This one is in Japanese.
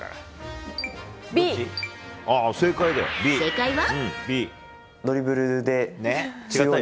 正解は。